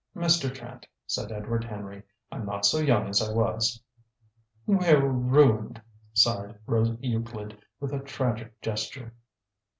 "Mr. Trent," said Edward Henry. "I'm not so young as I was." "We're ruined!" sighed Rose Euclid with a tragic gesture.